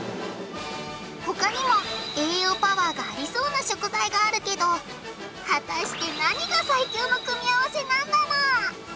他にも栄養パワーがありそうな食材があるけど果たして何が最強の組み合わせなんだろう？